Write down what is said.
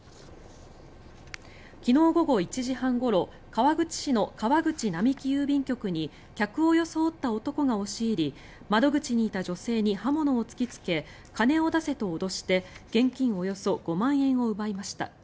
昨日午後１時半ごろ川口市の川口並木郵便局に客を装った男が押し入り窓口にいた女性に刃物を突きつけ金を出せと脅して現金およそ５万円を奪いました。